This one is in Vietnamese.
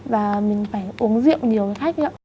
và mình phải uống rượu nhiều với khách ấy ạ